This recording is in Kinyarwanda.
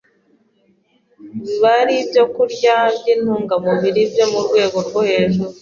biba ari ibyokurya by’intungamubiri byo mu rwego rwo hejuru.